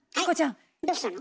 はいどうしたの？